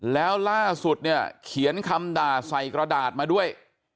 แล้วล่าสุดเนี่ยเขียนคำด่าใส่กระดาษมาด้วย